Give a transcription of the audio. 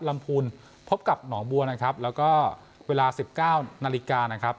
ร้ำพูนพบกับหนองบัวนะครับแล้วก็เวลา๑๙๐๐นนะครับ